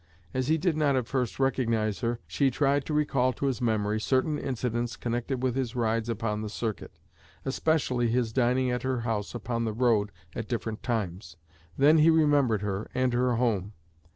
As he did not at first recognize her, she tried to recall to his memory certain incidents connected with his rides upon the circuit especially his dining at her house upon the road at different times. Then he remembered her and her home.